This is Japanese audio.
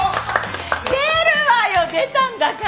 出るわよ出たんだから。